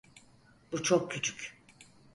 Bu çok küçük.